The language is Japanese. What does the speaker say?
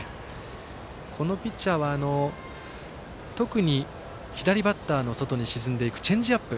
このピッチャーは特に左バッターの外に沈んでいくチェンジアップ。